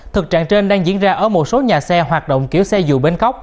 thực trạng trên đang diễn ra ở một số nhà xe hoạt động kiểu xe